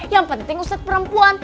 yang penting ustadz perempuan